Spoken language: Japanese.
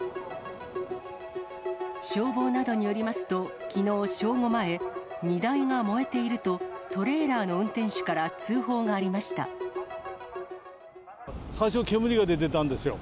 消防などによりますと、きのう正午前、荷台が燃えていると、トレーラーの運転手から通報があ最初、煙が出てたんですよ。